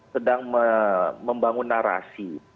sedang membangun narasi